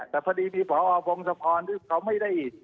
แต่พอดีมีพอวงศกรเขาไม่ได้